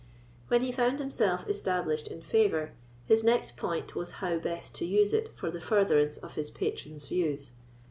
When he found himself established in favour, his next point was how best to use it for the furtherance of his patron's views.